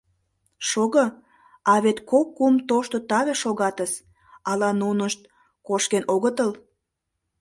Шого, а вет кок-кум тошто таве шогатыс, ала нунышт кошкен огытыл?..